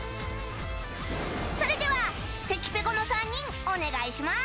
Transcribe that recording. それでは関ぺこの３人お願いします。